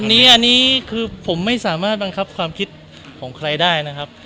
อันนี้คือผมไม่สามารถบังคับความคิดของใครได้นะครับ